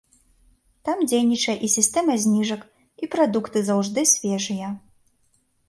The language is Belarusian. Там дзейнічае і сістэма зніжак, і прадукты заўжды свежыя.